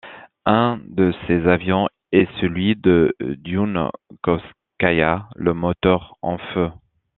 Un de ces avions est celui de Djounkovskaïa, le moteur en feu.